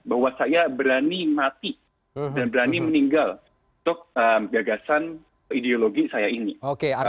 bahwa saya berani mati dan berani meninggal untuk gagasan ideologi saya ini